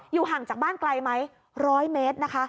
ห่างจากบ้านไกลไหม๑๐๐เมตรนะคะ